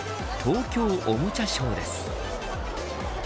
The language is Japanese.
東京おもちゃショーです。